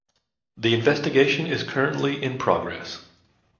The investigation is currently in progress.